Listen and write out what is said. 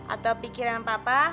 atau pikiran papa